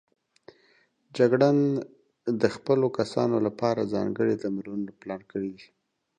جګړن د خپلو کسانو لپاره ځانګړي تمرینونه پلان کړي دي.